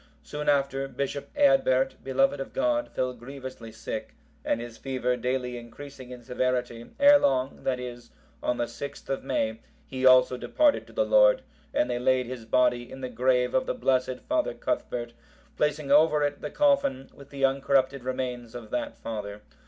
Soon after, Bishop Eadbert, beloved of God, fell grievously sick, and his fever daily increasing in severity, ere long, that is, on the 6th of May,(763) he also departed to the Lord, and they laid his body in the grave of the blessed father Cuthbert, placing over it the coffin, with the uncorrupted remains of that father.